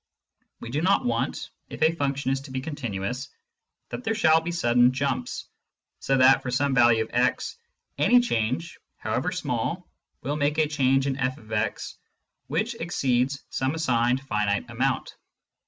We do not want, if a function is to be continuous, that there shall be sudden jumps, so that, for some value of x, any change, however small, will make a change in fx which exceeds some assigned finite amount.